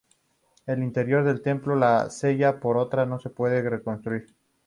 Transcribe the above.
El interior del templo, la "cella", por ahora no se puede reconstruir.